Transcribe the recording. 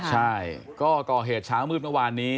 ใช่ก็ก่อเหตุช้ามืดประวัตินี้